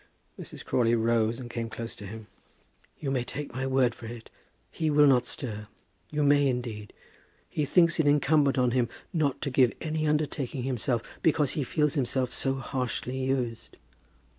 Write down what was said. Mrs. Crawley rose and came close to him. "You may take my word for it, he will not stir. You may indeed. He thinks it incumbent on him not to give any undertaking himself, because he feels himself to be so harshly used."